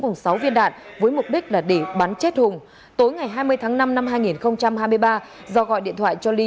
cùng sáu viên đạn với mục đích là để bắn chết hùng tối ngày hai mươi tháng năm năm hai nghìn hai mươi ba do gọi điện thoại cho ly